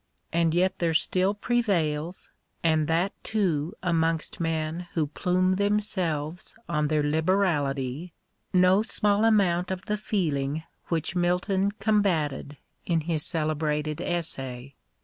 And yet there still prevails, and that too amongst men who plume themselves on their liberality, no small amount of the feeling which Milton combated in his celebrated essay.